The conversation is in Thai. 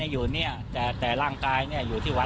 เพ็ญว่าเราสัมผัสได้ด้วยใช่ไหมครับ